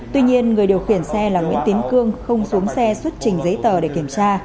tuy nhiên người điều khiển xe là nguyễn tiến cương không xuống xe xuất trình giấy tờ để kiểm tra